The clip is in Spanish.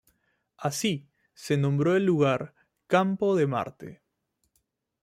Así, se nombró al lugar "Campo de Marte".